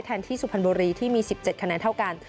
แทนที่ศุภัณฑ์บุรีที่มี๑๗คะแนนเท่ากัน